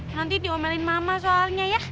nanti diomelin mama soalnya ya